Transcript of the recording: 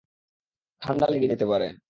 ঠাণ্ডা লেগে যেতে পারে।